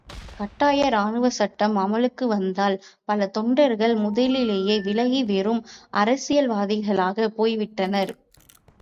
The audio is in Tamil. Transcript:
கட்டாய ராணுவச்சட்டம் அமுலுக்குவாந்ததால் பல தொண்டார்கள் முதலிலேயே விலகி வெறும் அரசியல்வாதிகளாகப் போய்விட்டனர்.